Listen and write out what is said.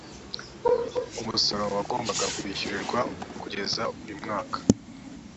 umusoro wagombaga kwishyurirwaho kugeza uyumwaka